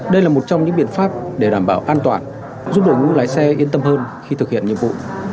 đây là một trong những biện pháp để đảm bảo an toàn giúp đội ngũ lái xe yên tâm hơn khi thực hiện nhiệm vụ